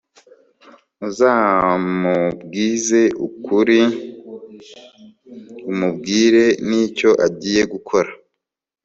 uzamubwize ukuri, umubwire nicyo agiye gukora